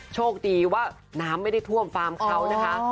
โชคดีว่าน้ำไม่ได้ท่วมฟาร์มเขานะคะ